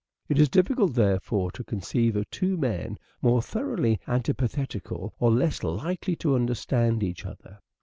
It is difficult, therefore, to conceive of two men more thoroughly antipathetical or less likely to understand each other.